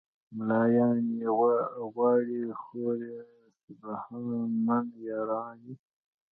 "ملایان یې غواړي خوري سبحان من یرانی".